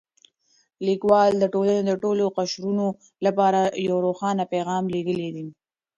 لیکوال د ټولنې د ټولو قشرونو لپاره یو روښانه پیغام لېږلی دی.